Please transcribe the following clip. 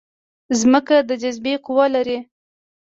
ځمکه د جاذبې قوه لري